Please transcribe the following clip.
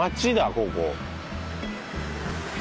ここ。